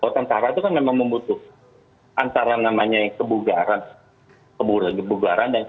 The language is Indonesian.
tentara itu memang membutuhkan antara namanya kebugaran dan kesehatan fisik bagi prajurit